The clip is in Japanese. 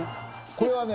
これはね